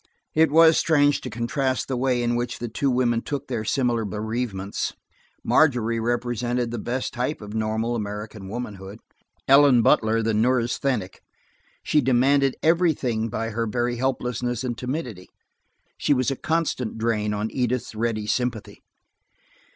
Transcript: It was strange to contrast the way in which the two women took their similar bereavements. Margery represented the best type of normal American womanhood; Ellen Butler the neurasthenic; she demanded everything by her very helplessness and timidity. She was a constant drain on Edith's ready sympathy.